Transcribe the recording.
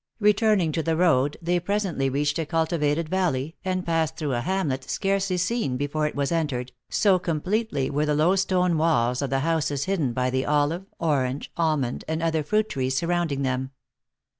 Returning to the road, they presently reached a cul tivated valley, and passed through a hamlet, scarcely seen before it was entered, so completely were the low stone walls of the houses hidden by the olive, orange, almond, and other fruit trees surrounding them.